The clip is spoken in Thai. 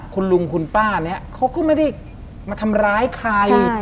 คุณลุงคุณป้าเนี่ยเขาก็ไม่ได้มาทำร้ายใคร